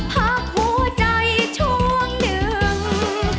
พักหัวใจช่วงหนึ่ง